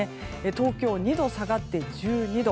東京、２度下がって１２度。